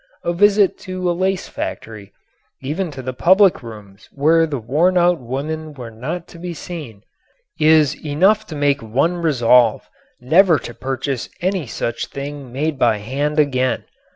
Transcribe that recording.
A visit to a lace factory, even to the public rooms where the wornout women were not to be seen, is enough to make one resolve never to purchase any such thing made by hand again.